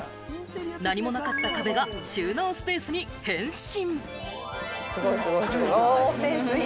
何もなかった壁が収納スペースに変身。